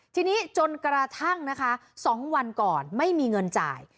ทีนี้จนกระทั่งนะคะ๒วันก่อนไม่มีเงินจ่าย